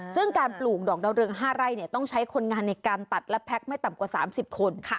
ซึ่งการปลูกดอกดาวเรือง๕ไร่ต้องใช้คนงานในการตัดและแพ็คไม่ต่ำกว่า๓๐คน